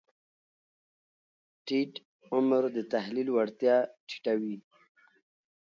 ټیټ عمر د تحلیل وړتیا ټیټه وي.